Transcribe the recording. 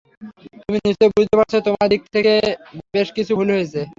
তুমি নিশ্চয়ই বুঝতে পারছ, তোমার দিক থেকে বেশ কিছু ভুল হয়েছে।